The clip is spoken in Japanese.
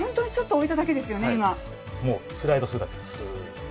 もうスライドするだけスーッ。